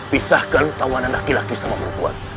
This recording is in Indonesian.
pisahkan tawanan laki laki sama perempuan